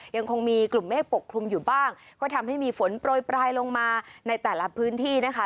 ยังคงมีกลุ่มเมฆปกคลุมอยู่บ้างก็ทำให้มีฝนโปรยปลายลงมาในแต่ละพื้นที่นะคะ